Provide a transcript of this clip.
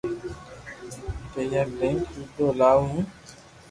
پيا لئين ھيدو لاوُ ھون